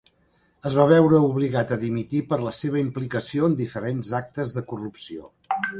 Es va veure obligat a dimitir per la seva implicació en diferents actes de corrupció.